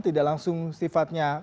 tidak langsung sifatnya